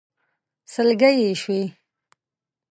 سلګۍ يې شوې.